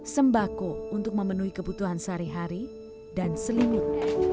sembako untuk memenuhi kebutuhan sehari hari dan selimut